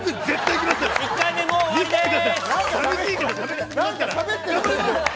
１回目、もう終わりです。